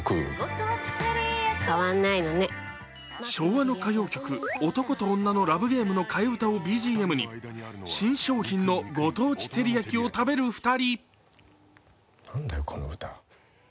昭和の歌謡曲「男と女のラブゲーム」の替え歌をＢＧＭに新商品のご当地てりやきを食べる２人。